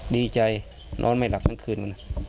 ดีใจนอนไม่หลับทั้งคืน